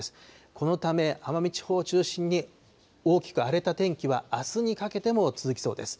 このため奄美地方を中心に、大きく荒れた天気は、あすにかけても続きそうです。